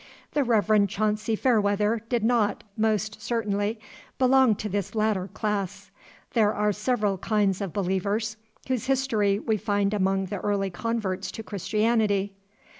The Reverend Chauncy Fairweather did not, most certainly, belong to this latter class. There are several kinds of believers, whose history we find among the early converts to Christianity.